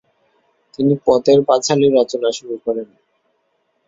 তিনি পথের পাঁচালী রচনা শুরু করেন।